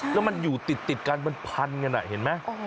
แล้วมันอยู่ติดกันมันพันกันเห็นไหม